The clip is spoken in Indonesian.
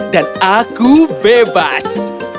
dan aku bebas